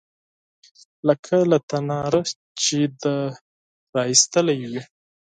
_لکه له تناره چې دې را ايستلې وي.